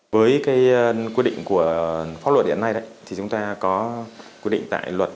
với quy định của pháp luật hiện nay chúng ta có quy định tại luật